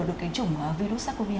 được cái chủng virus sars cov hai